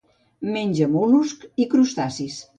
Menja mol·luscs i crustacis.